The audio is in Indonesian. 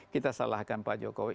kita salahkan pak jokowi